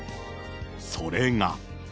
それが。